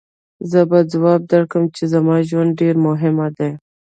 زه به ځواب درکړم چې زما ژوند ډېر مهم دی.